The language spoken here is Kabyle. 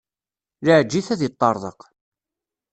Laɛej it, ad iṭṭerḍeq.